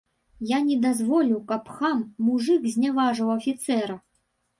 Я не дазволю, каб хам, мужык зняважыў афіцэра!